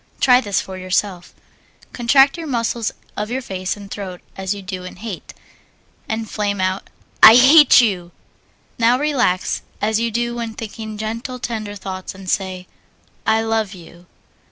Try this for yourself. Contract the muscles of your face and throat as you do in hate, and flame out "I hate you!" Now relax as you do when thinking gentle, tender thoughts, and say, "I love you."